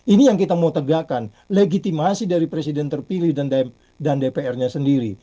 ini yang kita mau tegakkan legitimasi dari presiden terpilih dan dpr nya sendiri